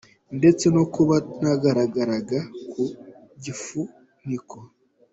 Ndetse no kuba nagaragara ku gifuniko.